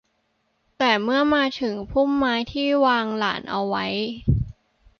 แต่เมื่อมาถึงพุ่มไม้ที่ได้วางหลานเอาไว้